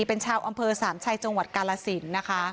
เป็นชาวอำเภอสามชัยจังหวัดกาลสินนะคะ